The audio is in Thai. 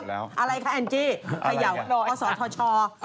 อะไรคะแอลจี้ไปเยาว์ก่อสทช